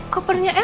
kau bisa lihat